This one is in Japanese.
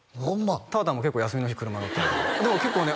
たーたんも結構休みの日車乗ったりでも結構ね